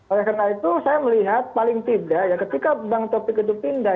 oleh karena itu saya melihat paling tidak ya ketika bang taufik itu pindah